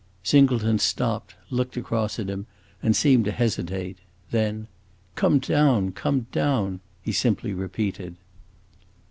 Singleton stopped, looked across at him and seemed to hesitate; then, "Come down come down!" he simply repeated.